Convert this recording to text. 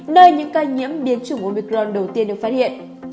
nơi những ca nhiễm biến chủng omicron đầu tiên được phát hiện